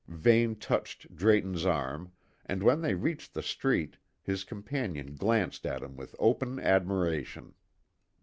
Vane touched Drayton's arm, and when they reached the street, his companion glanced at him with open admiration.